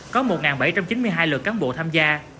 có một bảy trăm chín mươi hai lượt cán bộ tham gia